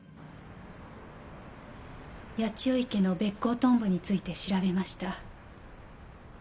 八千代池のベッコウトンボについて調べました。